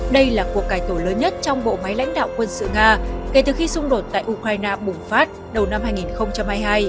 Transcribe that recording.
đây là cuộc cải tổ lớn nhất trong bộ máy lãnh đạo quân sự nga kể từ khi xung đột tại ukraine bùng phát đầu năm hai nghìn hai mươi hai